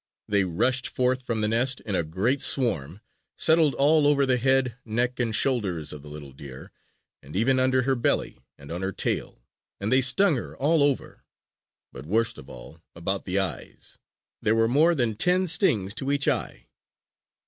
They rushed forth from the nest in a great swarm, settled all over the head, neck, and shoulders of the little deer, and even under her belly and on her tail. And they stung her all over, but worst of all about the eyes. There were more than ten stings to each eye!